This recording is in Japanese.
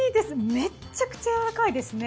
めちゃくちゃやわらかいですね。